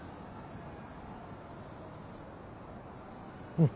うん。